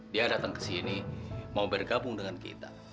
dia datang ke sini mau bergabung dengan kita